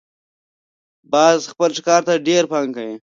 باز خپل ښکار ته ډېر پام کوي